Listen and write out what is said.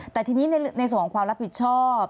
แต่ทีนี้ในส่วนของความรับผิดชอบ